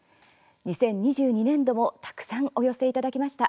２０２２年度もたくさんお寄せいただきました。